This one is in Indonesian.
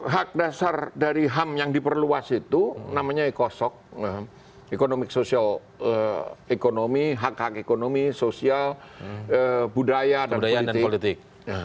hak dasar dari ham yang diperluas itu namanya ekosok ekonomi hak hak ekonomi sosial budaya dan politik